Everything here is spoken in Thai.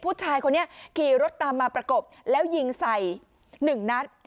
ผู้ชายคนนี้ขี่รถตามมาประกบแล้วยิงใส่๑นัด